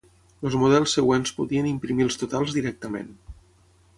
Els models següents podien imprimir els totals directament.